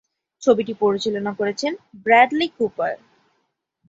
ছবিটি পরিচালনা করেছেন ব্র্যাডলি কুপার।